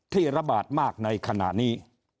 ระบาดมากในขณะนี้